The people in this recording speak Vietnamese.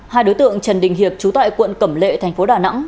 hai đối tượng trần đình hiệp chú tại quận cẩm lệ tp đà nẵng